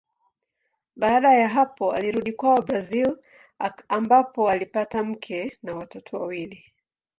Baada ya hapo alirudi kwao Brazili ambapo alipata mke na watoto wawili.